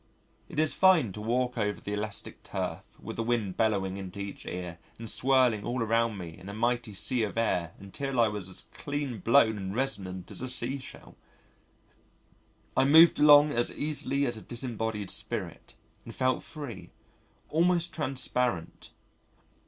It is fine to walk over the elastic turf with the wind bellowing into each ear and swirling all around me in a mighty sea of air until I was as clean blown and resonant as a sea shell. I moved along as easily as a disembodied spirit and felt free, almost transparent.